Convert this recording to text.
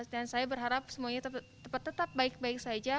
dan saya berharap semuanya tetap baik baik saja